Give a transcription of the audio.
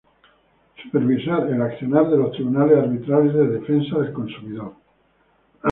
Supervisar el accionar de los Tribunales Arbitrales de Defensa del Consumidor.